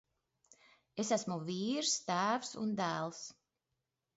Es esmu vīrs, tēvs un dēls.